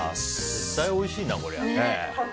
絶対おいしいな、こりゃ。